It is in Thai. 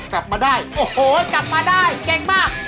กลับมาได้โอ้โหกลับมาได้เก่งมาก